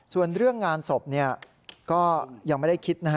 ส่วนเรื่องงานศพก็ยังไม่ได้คิดนะฮะ